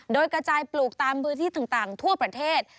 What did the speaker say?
โดยกระจายปลูกตามพื้นที่ต่างทั่วประเทศ